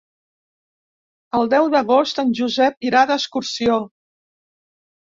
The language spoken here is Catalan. El deu d'agost en Josep irà d'excursió.